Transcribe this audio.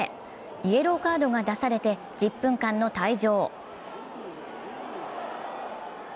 イエローカードが出されて１０分間の退場。